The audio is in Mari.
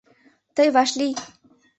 Тый вашлий